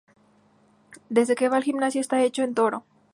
Desde que va al gimnasio está hecho un toro